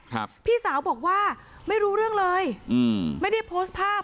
ครับพี่สาวบอกว่าไม่รู้เรื่องเลยอืมไม่ได้โพสต์ภาพ